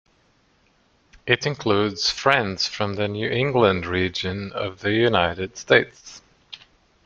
It includes Friends from the New England region of the United States.